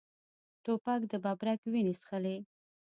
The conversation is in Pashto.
توپک د ببرک وینې څښلي.